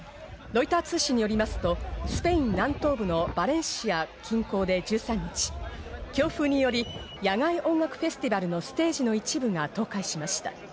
ロイター通信にありますとスペイン南東部のバレンシア近郊で１３日、強風により野外音楽フェスティバルのステージの一部が倒壊しました。